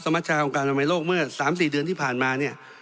มัชชาของการอนามัยโลกเมื่อ๓๔เดือนที่ผ่านมาเนี่ย